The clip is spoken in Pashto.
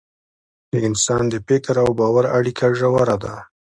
د انسان د فکر او باور اړیکه ژوره ده.